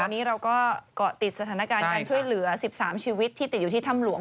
ตอนนี้เราก็เกาะติดสถานการณ์การช่วยเหลือ๑๓ชีวิตที่ติดอยู่ที่ถ้ำหลวง